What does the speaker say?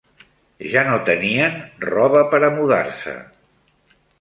Ja no tenien roba per a mudar-se